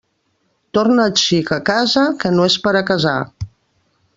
Torna el xic a casa, que no és per a casar.